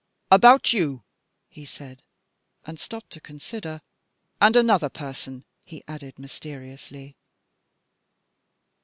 "About you," he said, and stopped to consider. "And another person," he added mysteriously.